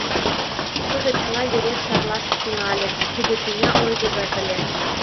Тудо чыла вере шарлаш тӱҥале, тиде тӱня ойго гаяк ыле.